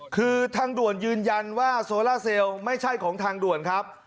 คือทางด่วนยืนยันว่าโซล่าเซลล์ไม่ใช่ของทางด่วนครับ